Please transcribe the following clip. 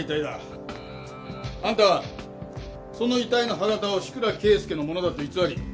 あんたはその遺体の歯型を志倉啓介のものだと偽り